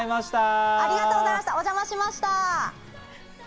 お邪魔しました。